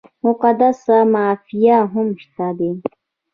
مقدسه مافیا هم شته ده.